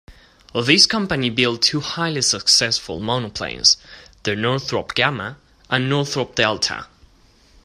This company built two highly successful monoplanes, the Northrop Gamma and Northrop Delta.